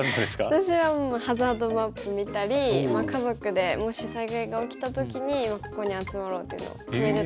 私はもうハザードマップ見たり家族でもし災害が起きた時にここに集まろうっていうのを決めてたり。